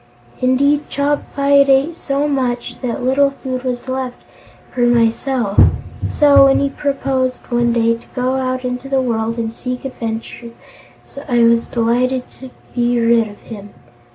Indeed, Chopfyt ate so much that little food was left for myself; so, when he proposed, one day, to go out into the world and seek adventures, I was delighted to be rid of him.